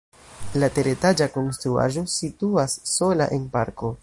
La teretaĝa konstruaĵo situas sola en parko.